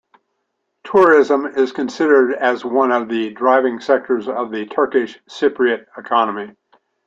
Tourism is considered as one of the driving sectors of the Turkish Cypriot economy.